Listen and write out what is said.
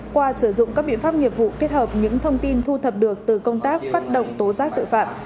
qua sử dụng các biện pháp nghiệp vụ kết hợp những thông tin thu thập được từ công tác phát động tố giác tội phạm